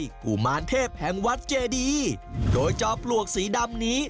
กุมารเทพแห่งวัดเจดีโดยจอมปลวกสีดำนี้